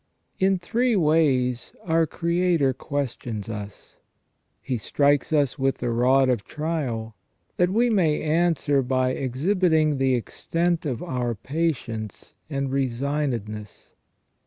In three ways our Creator questions us. He strikes us with the rod of trial, that we may answer by exhibiting the extent of our patience and resignedness.